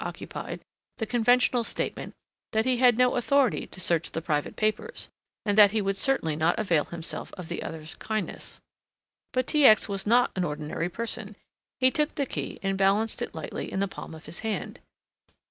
occupied, the conventional statement that he had no authority to search the private papers, and that he would certainly not avail himself of the other's kindness. But T. X. was not an ordinary person. He took the key and balanced it lightly in the palm of his hand.